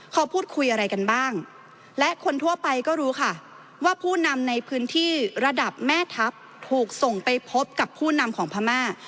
เขาพูดคุยอะไรกันบ้างและคนทั่วไปก็รู้ค่ะว่าผู้นำในพื้นที่ระดับแม่ทัพถูกส่งไปพบกับผู้นำของพม่า